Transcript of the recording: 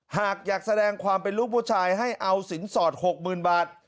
หากอยากแสดงความเป็นลูกผู้ชายให้เอาสินสอด๖๐๐๐บาท